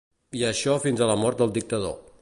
I això fins a la mort del dictador.